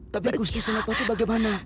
tapi kusti selapa itu bagaimana